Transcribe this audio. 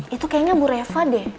itu kayaknya bu reva deh